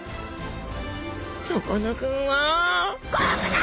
さかなクンはここだ！